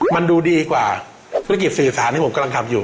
มันดูดีกว่าธุรกิจสื่อสารที่ผมกำลังทำอยู่